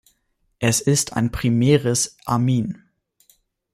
Es ist ein primäres Amin.